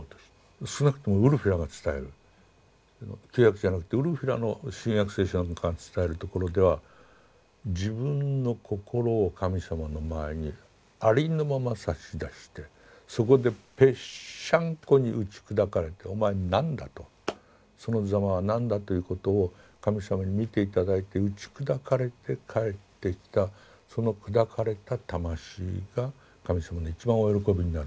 少なくともウルフィラが伝える旧約じゃなくてウルフィラの「新約聖書」が伝えるところでは自分の心を神様の前にありのまま差し出してそこでぺっしゃんこに打ち砕かれてお前何だとそのざまは何だということを神様に見て頂いて打ち砕かれて帰ってきたその砕かれた魂が神様の一番お喜びになるものだ。